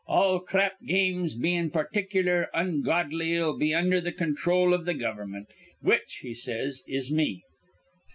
'All crap games bein' particular ongodly'll be undher th' con throl iv th' gover'mint, which,' he says, 'is me.